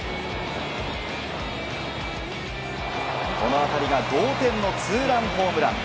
この当たりが同点のツーランホームラン。